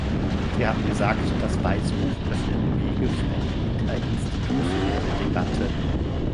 Sie haben gesagt, das Weißbuch öffnet Wege für eine interinstitutionelle Debatte.